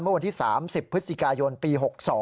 เมื่อวันที่๓๐พฤศจิกายนปี๖๒